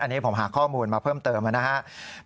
อันนี้ผมหาข้อมูลมาเพิ่มเติมนะครับ